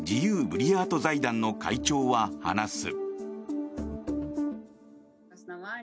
ブリヤート財団の会長は話す。